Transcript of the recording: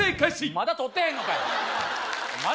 まだ撮ってへんのかい！